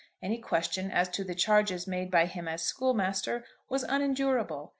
Any question as to the charges made by him as schoolmaster was unendurable.